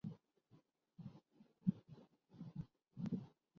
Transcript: دھکا م دیجئے، بس پر چڑھنے کے لئے اپنی باری کا انتظار کریں